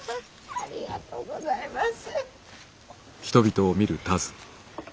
ありがとうございます。